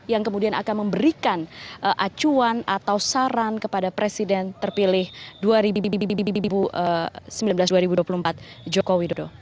yang kemudian akan memberikan acuan atau saran kepada presiden terpilih dua ribu sembilan belas dua ribu dua puluh empat jokowi dodo